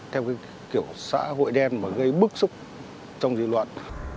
theo cái kiểu xã hội đen mà gây bức xúc trong dư luận